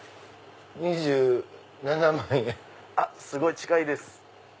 すごい近いです。